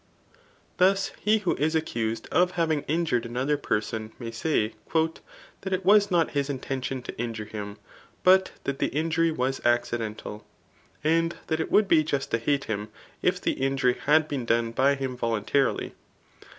Thus he who is accused of having injured another person may say, That it was not his intendon to injure him, but that the injury was accidental. And that it would be just to hate him, if the injury had been done by him voluntarily.